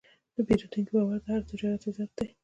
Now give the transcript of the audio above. د پیرودونکي باور د هر تجارت عزت دی.